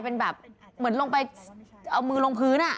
เป็นแบบเหมือนลงไปเอามือลงพื้น